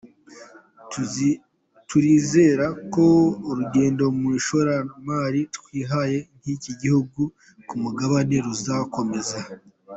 Turizera ko urugendo mu ishoramari twihaye nk’igihugu nk’umugabane ruzakomeza.